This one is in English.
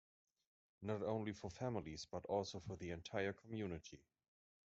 Not only for families but also for the entire community.